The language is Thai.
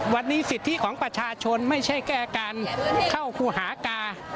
วันนี้สิทธิของประชาชนไม่ใช่แค่การเข้าครูหากา